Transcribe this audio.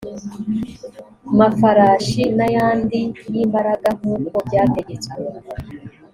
mafarashi n ayandi y imbaraga nk uko byategetswe